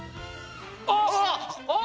あっ！